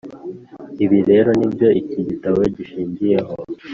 Ibi rero ni byo iki gitabo gishingiye ho